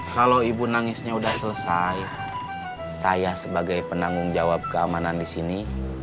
kalau ibu nangisnya sudah selesai saya sebagai penanggung jawab keamanan di sini